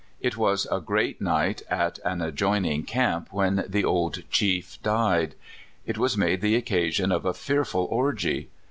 It was a great night at an adjoining camp when the old chief died. It was made the occasion of a fearful orgy.